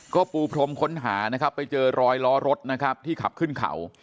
ก็ปูพรมค้นหานะครับไปเจอรอยล้อรถนะครับที่ขับขึ้นเขา